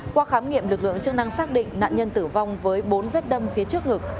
qua khám nghiệm lực lượng chức năng xác định nạn nhân tử vong với bốn vết đâm phía trước ngực